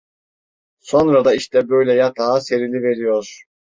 Sonra da işte böyle yatağa seriliveriyor…